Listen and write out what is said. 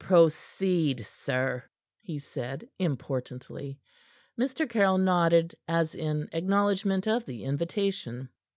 "Proceed, sir," he said, importantly. Mr. Caryll nodded, as in acknowledgment of the invitation.